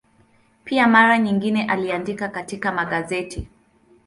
Pia mara nyingi aliandika katika magazeti.